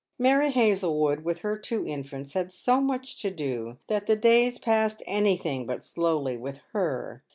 Mary Hazlewood, with her two infants, had so much to do, that tne days passed anything but slowly with her.